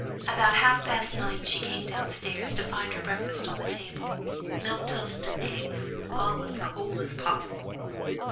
About half past nine she came down stairs, to find her breakfast on the table; milk, toast, and egg, all as cold as possible.